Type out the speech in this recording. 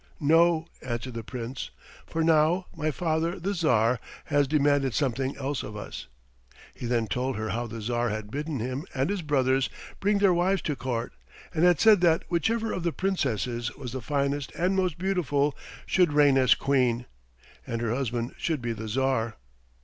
"No," answered the Prince, "for now my father, the Tsar, has demanded something else of us." He then told her how the Tsar had bidden him and his brothers bring their wives to court, and had said that whichever of the Princesses was the finest and most beautiful should reign as Queen, and her husband should be the Tsar.